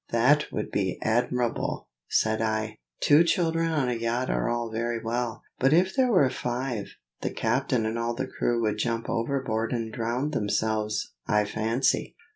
"That would be admirable!" said I. "Two children on a yacht are all very well, but if there were five, the captain and all the crew would jump overboard and drown themselves, I fancy.